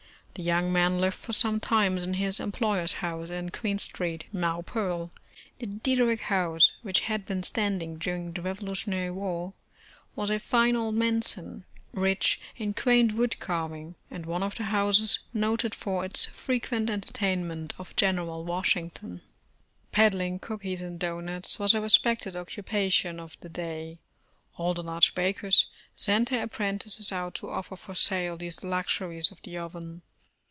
The young man lived for S0F)e time in his employer's house in Queen St. (now Pearl). The Diederich house, which had been standing during the Revolutionary war, was a fine old mansion, rich in quaint wood carving, and one of the houses noted for its frequent entertainment of General Washington. Peddling cookies and doughnuts was a respected oc cupation of the day. All the large bakers sent their ap prentices out to offer for sale these luxuries of the oven.